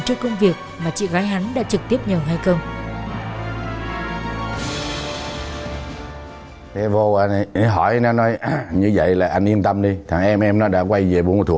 cho công việc mà chị gái hắn đã trực tiếp nhờ hay không